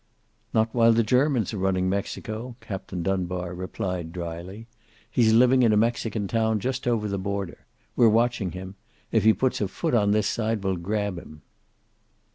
"Not while the Germans are running Mexico," Captain Dunbar replied, dryly. "He's living in a Mexican town just over the border. We're watching him. If he puts a foot on this side we'll grab him."